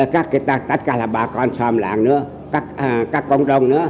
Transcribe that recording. các người ta tất cả là bà con xòm lạc nữa các công đồng nữa